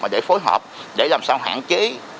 để phối hợp để làm sao hạn chế